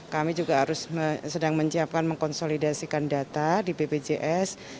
kami juga harus sedang menyiapkan mengkonsolidasikan data di bpjs